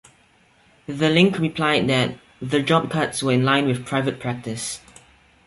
The Link replied that "the job cuts were in line with private practice".